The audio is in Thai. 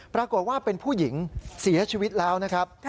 ปรากฏว่าเป็นผู้หญิงเสียชีวิตแล้วนะครับ